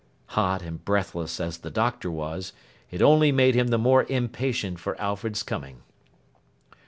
Hot and breathless as the Doctor was, it only made him the more impatient for Alfred's coming.